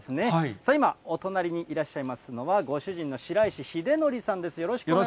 さあ、今お隣にいらっしゃいますのは、ご主人の白石秀徳さんです。